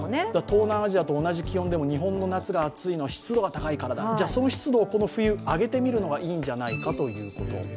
東南アジアと同じ気温でも日本の夏が暑いのは湿度が高いからだ、じゃその湿度をこの冬、上げてみるのがいいんじゃないかということ。